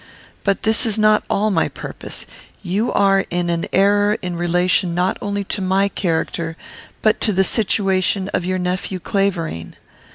"But this is not all my purpose. You are in an error in relation not only to my character, but to the situation of your nephew Clavering.